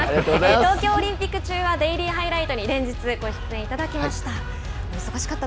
東京オリンピック中はデイリーハイライトに連日ご出演いただきました。